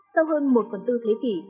sau hơn một phần tư thế kỷ